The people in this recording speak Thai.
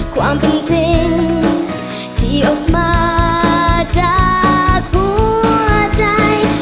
ความเป็นจริงที่ออกมาจากหัวใจ